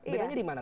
bedanya di mana